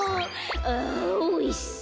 「あおいしそう。